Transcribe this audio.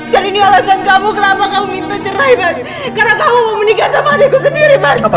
jadi ini alasan kamu kelapa kamu minta cerai karena kamu menikah sama adikku sendiri apa